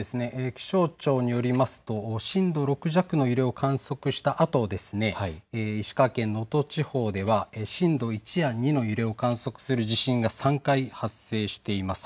気象庁によりますと震度６弱の揺れを観測したあと石川県能登地方では震度１や２の揺れを観測する地震が３回発生しています。